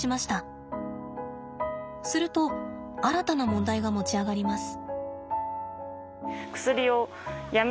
すると新たな問題が持ち上がります。